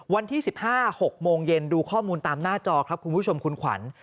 วันที่๑๕๖โมงเย็นดูข้อมูลตามหน้าจอครับคุณผู้ชมคุณขวัญ